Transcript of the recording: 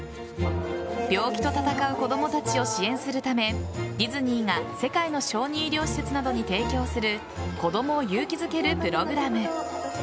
病気と闘う子供たちを支援するためディズニーが世界の小児医療施設などに提供する子供を勇気づけるプログラム。